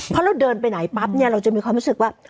พอเราเดินไปไหนปั๊บเราจะมีความรู้สึกว่า